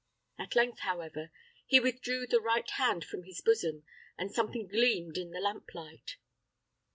At length, however, he withdrew the right hand from his bosom, and something gleamed in the lamp light.